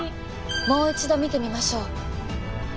もう一度見てみましょう。